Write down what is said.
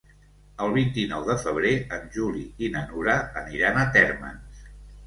El vint-i-nou de febrer en Juli i na Nura aniran a Térmens.